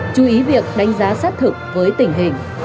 chú ý việc đánh giá sát thực với tình hình